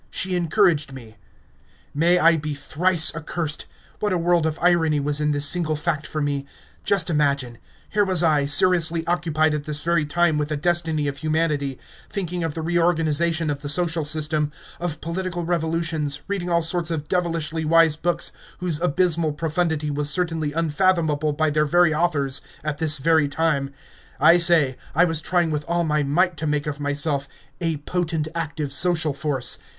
She encouraged me. May I be thrice accursed! What a world of irony was in this single fact for me! Just imagine! Here was I, seriously occupied at this very time with the destiny of humanity, thinking of the re organisation of the social system, of political revolutions, reading all sorts of devilishly wise books whose abysmal profundity was certainly unfathomable by their very authors at this very time, I say, I was trying with all my might to make of myself "a potent active social force."